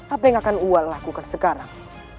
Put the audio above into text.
apa yang akan ual lakukan sekarang